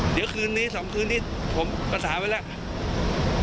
เดี๋ยวคืนนี้๒คืนนี้ผมประสานไว้แล้ว